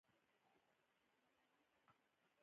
اجبه بلا مې وليده.